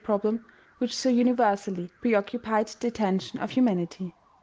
123 problem which so universally preoccupied the attention of humanity.